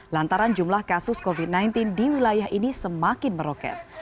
lantaran jumlah kasus covid sembilan belas di wilayah ini semakin meroket